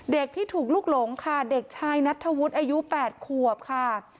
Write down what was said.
เด็กที่ถูกลุกหลงค่ะเด็กชายนัทธวุฒิอายุ๘ขวบค่ะ